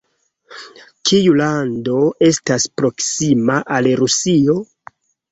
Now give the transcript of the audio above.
Kiu lando estas proksima al Rusio?